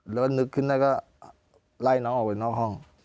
แล้วก็นึกขึ้นได้ก็ไล่น้องออกไปนอกห้อง